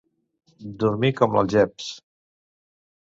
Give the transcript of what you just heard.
Dormir com l'algeps.